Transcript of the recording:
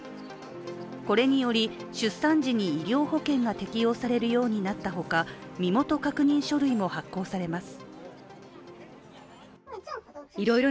これにより、出産時に医療保険が適用されるようになったほか身元確認書類も発行されます。